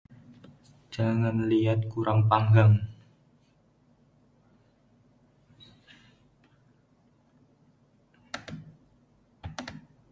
Jangat liat kurang panggang